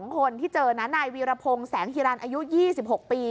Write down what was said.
คนที่เจอนะนายวีรพงศ์แสงฮิรันอายุ๒๖ปี